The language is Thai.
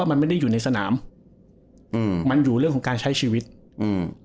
มันไม่ได้อยู่ในสนามอืมมันอยู่เรื่องของการใช้ชีวิตอืม